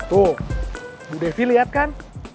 tuh bu devi lihat kan